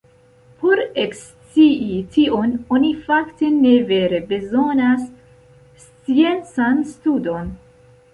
Por ekscii tion oni fakte ne vere bezonas sciencan studon.